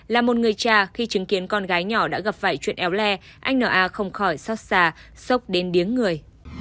là một người cha khi chứng kiến con gái nhỏ đã gặp vậy chuyện éo le anh n a không khỏi xót xà sốc đến điếng người